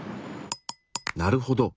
なるほど。